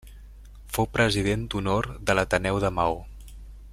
Fou president d'Honor de l'Ateneu de Maó.